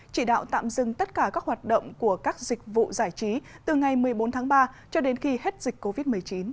chỉ đạo tạm dừng tất cả các hoạt động của các dịch vụ giải trí từ ngày một mươi bốn tháng ba cho đến khi hết dịch covid một mươi chín